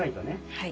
はい。